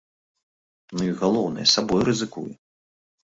Ну і, галоўнае, сабой рызыкую.